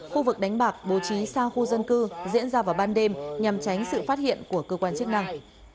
khu vực đánh bạc bố trí xa khu dân cư diễn ra vào ban đêm nhằm tránh sự phát hiện của cơ quan chức năng